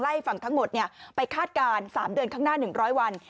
ฝั่งทั้งหมดไปคาดการณ์๓เดือนข้างหน้า๑๐๐วัน